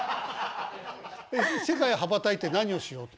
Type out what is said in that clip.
世界へ羽ばたいて何をしようと？